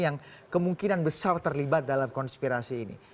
yang kemungkinan besar terlibat dalam konspirasi ini